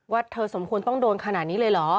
เธอสมควรต้องโดนขนาดนี้เลยเหรอ